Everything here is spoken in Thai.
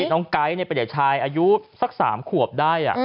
ไก๊เป็นเด็กชายอายุสัก๓ขวบได้